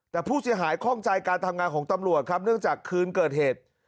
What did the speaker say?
แต่ผู้เสียหายข้องใจการทำงานของตำรวจครับเนื่องจากคืนเกิดเหตุ